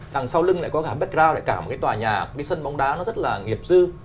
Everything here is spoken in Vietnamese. đằng sau lưng lại có cả bckrow lại cả một cái tòa nhà cái sân bóng đá nó rất là nghiệp dư